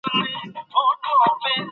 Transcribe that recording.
لوستونکی د متن معنا درک کوي.